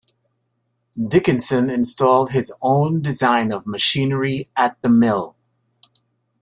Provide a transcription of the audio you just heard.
Dickinson installed his own design of machinery at the mill.